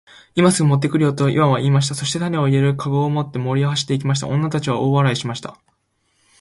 「今すぐ持って来るよ。」とイワンは言いました。そして種を入れる籠を持って森へ走って行きました。女たちは大笑いしました。